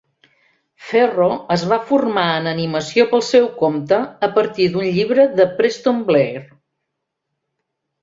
Ferro es va formar en animació pel seu compte a partir d'un llibre de Preston Blair.